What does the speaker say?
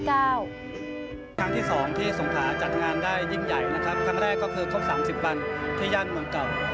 ครั้งที่๒ที่สงขาจัดงานได้ยิ่งใหญ่นะครับครั้งแรกก็คือครบ๓๐วันที่ย่านเมืองเก่า